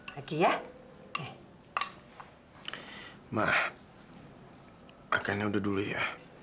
sampai jumpa di video selanjutnya